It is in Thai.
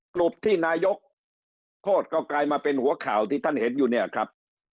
กลุ่มที่นายกรับโทษก็กลายมาเป็นหัวข่าวที่ท่านเห็นอยู่เนี่ยครับ